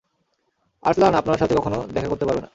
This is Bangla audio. আর্সলান আপনার সাথে কখনো দেখা করতে পারবে না।